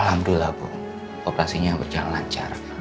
alhamdulillah bu operasinya berjalan lancar